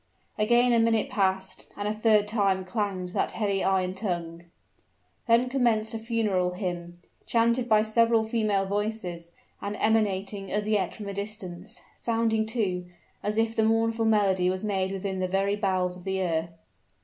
Again a minute passed, and a third time clanged that heavy iron tongue. Then commenced a funeral hymn, chanted by several female voices, and emanating as yet from a distance, sounding, too, as if the mournful melody was made within the very bowels of the earth.